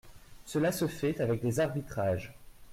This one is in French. Cela se fait avec des arbitrages.